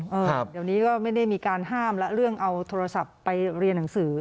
เดี๋ยวนี้ก็ไม่ได้มีการห้ามแล้วเรื่องเอาโทรศัพท์ไปเรียนหนังสือ